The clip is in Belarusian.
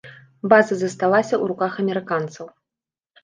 База засталася ў руках амерыканцаў.